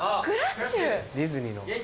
ディズニーの。